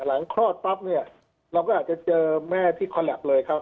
คลอดปั๊บเนี่ยเราก็อาจจะเจอแม่ที่คอแลปเลยครับ